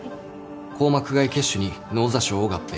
硬膜外血腫に脳挫傷を合併。